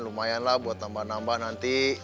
lumayan lah buat nambah nambah nanti